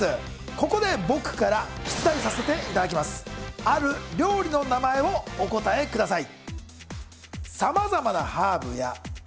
ここで僕から出題させて頂きますある料理の名前をお答えください